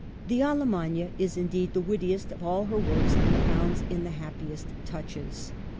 The Allemagne is indeed the wittiest of all her works, and abounds in the happiest touches.